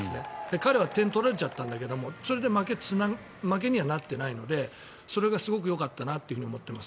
彼は点を取られちゃったんだけれどもそれで負けにはなっていないのでそれがすごくよかったなと思っています。